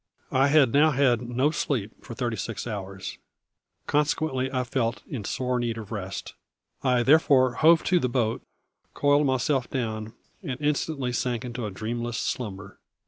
I had now had no sleep for thirty six hours, consequently I felt in sore need of rest. I therefore hove to the boat, coiled myself down, and instantly sank into a dreamless slumber.